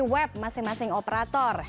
web masing masing operator